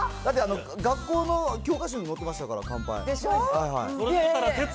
だって学校の教科書に載ってましたから、乾杯。でしょう？